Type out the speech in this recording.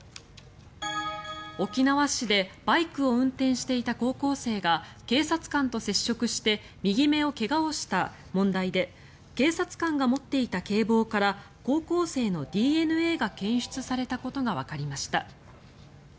沖縄市でバイクを運転していた高校生が警察官と接触して右目を怪我をした問題で警察官が持っていた警棒から高校生のＤＮＡが検出されたことがわかりました。